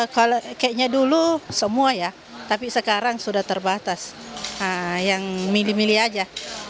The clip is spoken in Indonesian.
kalau kayaknya dulu semua ya tapi sekarang sudah terbatas yang mini milih aja